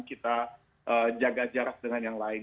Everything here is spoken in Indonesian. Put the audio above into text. kita jaga jarak dengan yang lain